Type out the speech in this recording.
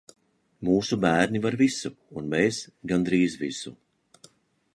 Mūsu bērni var visu, un mēs- gandrīz visu!